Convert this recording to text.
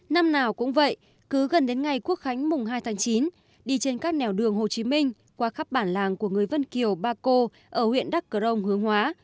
năm nào cũng vậy cứ gần đến ngày quốc khánh mùng hai tháng chín đi trên các nẻo đường hồ chí minh qua khắp bản làng của người vân kiều pa co ở huyện đắc cờ rồng hướng hóa